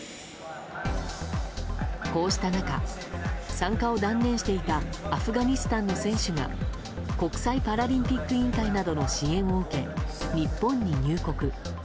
こうした中、参加を断念していたアフガニスタンの選手が国際パラリンピック委員会などの支援を受け日本に入国。